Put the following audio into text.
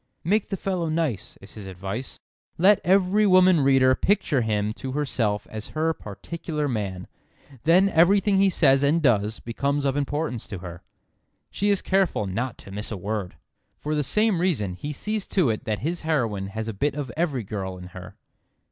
"Make the fellow nice," is his advice. "Let every woman reader picture him to herself as her particular man. Then everything he says and does becomes of importance to her. She is careful not to miss a word." For the same reason he sees to it that his heroine has a bit of every girl in her.